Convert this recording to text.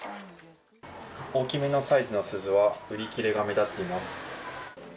大きめのサイズの鈴は売り切れが目立っています。